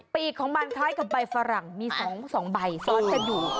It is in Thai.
ปีกของมันคล้ายกับใบฝรั่งมี๒ใบซ้อนกันอยู่